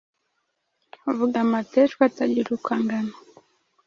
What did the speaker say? avuga amateshwa atagira uko angana,